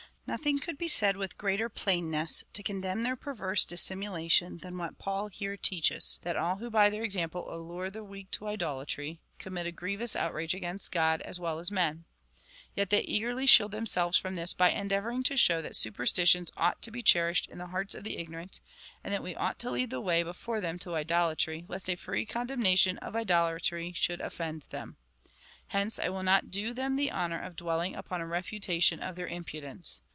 Nothing could be said with greater plainness to condemn their perverse dis simulation than what Paul here teaches — that all who by their example allure the weak to idolatry, commit a grievous outrage against God as well as men. Yet they eagerly shield themselves from this by endeavouring to show that superstitions ought to be cherished in the hearts of the ig norant, and that we ought to lead the way before them to idolatry, lest a free condemnation of idolatry should offend them. Hence I will not do them the honour of dwelling upon a refutation of their impudence.